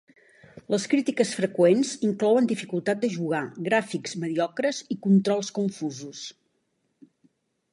Les crítiques freqüents inclouen dificultat de jugar, gràfics mediocres i controls confusos.